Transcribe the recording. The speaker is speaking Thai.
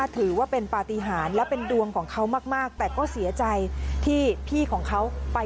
ตัวเองค่ะ